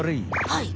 はい。